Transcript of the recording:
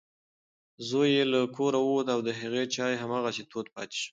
زوی یې له کوره ووت او د هغې چای هماغسې تود پاتې شو.